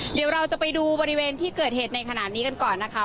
เดี๋ยวเราจะไปดูบริเวณที่เกิดเหตุในขณะนี้กันก่อนนะคะ